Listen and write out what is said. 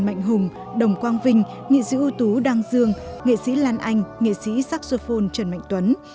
mạnh hùng đồng quang vinh nghệ sĩ ưu tú đăng dương nghệ sĩ lan anh nghệ sĩ saxophone trần mạnh tuấn